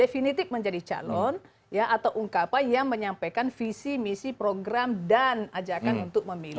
definitif menjadi calon atau ungkapan yang menyampaikan visi misi program dan ajakan untuk memilih